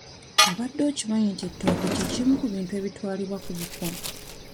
Obadde okimanyi nti ettooke kimu ku bintu ebitwalibwa ku buko?